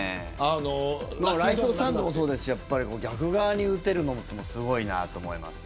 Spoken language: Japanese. ライトスタンドもそうですし逆側に打てるのもすごいなと思います。